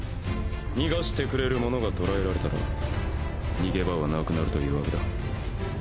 逃がしてくれる者が捕らえられたら逃げ場は無くなるというわけだ。